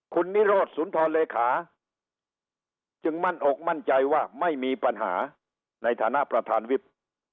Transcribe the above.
คุณนิโรธสุนทรเลขาจึงมั่นอกมั่นใจว่าไม่มีปัญหาในฐานะประธานวิทย์